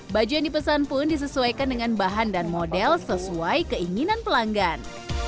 baju yang dipesan pun disesuaikan dengan bahan dan model sesuai keinginan pelanggan